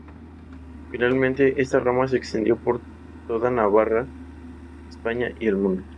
Finalmente, esta rama se extendió por toda Navarra, España y el mundo.